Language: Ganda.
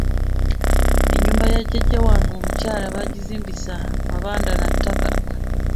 Ennyumba ya jjajja wange omukyala baagizimbisa mabanda na ttaka.